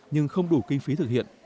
nhưng không đủ kinh phí thực hiện